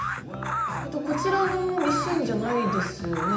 こちらもミシンじゃないですよね？